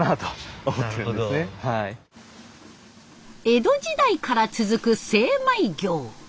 江戸時代から続く精米業。